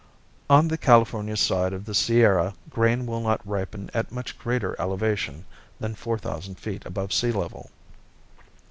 On the California side of the Sierra grain will not ripen at much greater elevation than four thousand feet above sea level.